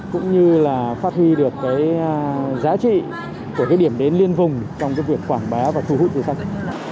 cũng như là phát huy được cái giá trị của cái điểm đến liên vùng trong cái việc quảng bá và thu hút du khách